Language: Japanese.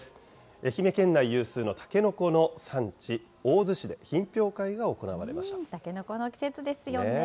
愛媛県内有数のたけのこの産地、たけのこの季節ですよね。